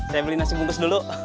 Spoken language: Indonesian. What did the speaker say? saya beli nasi bungkus dulu